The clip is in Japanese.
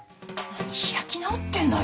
何開き直ってんのよ？